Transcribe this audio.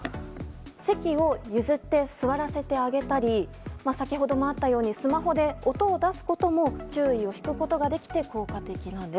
席を譲って、座らせてあげたり先ほどもあったようにスマホで音を出すことも注意を引くことができて効果的なんです。